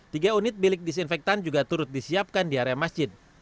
tiga unit bilik disinfektan juga turut disiapkan di area masjid